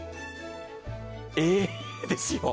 えっ？ですよ。